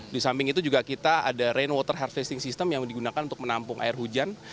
di samping itu juga kita ada rain water hard fashing system yang digunakan untuk menampung air hujan